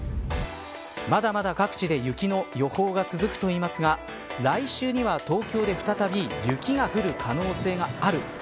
まだまだ各地で雪の予報が続くといいますが来週には東京で再び雪が降る可能性がある。